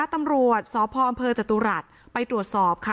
ตำรวจสพอำเภอจตุรัสไปตรวจสอบค่ะ